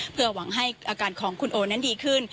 เพื่อหวังให้อาการของคุณโอนั้นดีขึ้น